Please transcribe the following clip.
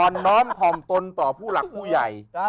น้อมถ่อมตนต่อผู้หลักผู้ใหญ่